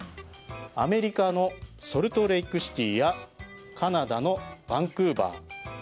アメリカのソルトレークシティーやカナダのバンクーバー